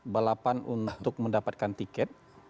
balapan untuk mendapatkan tiket